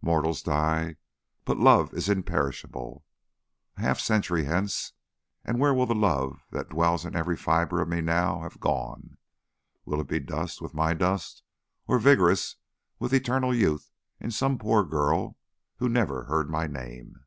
"Mortals die, but love is imperishable. A half century hence and where will the love that dwells in every fibre of me now, have gone? Will it be dust with my dust, or vigorous with eternal youth in some poor girl who never heard my name?"